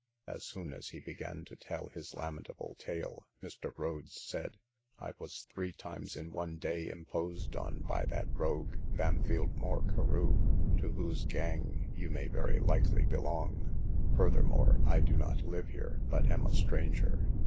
As soon as he began to tell his lamentable tale, Mr. Rhodes said, "I was three times in one day imposed on by that rogue, Bampfylde Moore Carew, to whose gang you may very likely belong; furthermore, I do not live here, but am a stranger."